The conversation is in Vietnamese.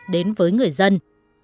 đến với người dân